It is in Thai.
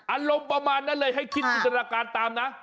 อารมณ์ประมาณนั้นเลยให้คิดจินตนาการตามนะ